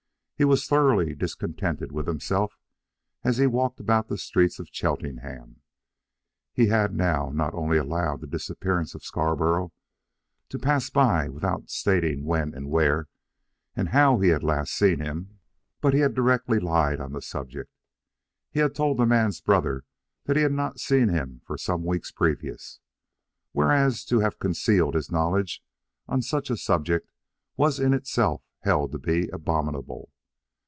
He was thoroughly discontented with himself as he walked about the streets of Cheltenham. He had now not only allowed the disappearance of Scarborough to pass by without stating when and where, and how he had last seen him, but had directly lied on the subject. He had told the man's brother that he had not seen him for some weeks previous, whereas to have concealed his knowledge on such a subject was in itself held to be abominable.